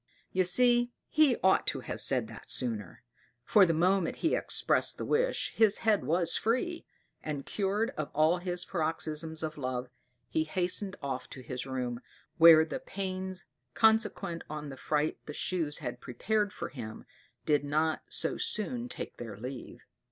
You see he ought to have said that sooner; for the moment he expressed the wish his head was free; and cured of all his paroxysms of love, he hastened off to his room, where the pains consequent on the fright the Shoes had prepared for him, did not so soon take their leave.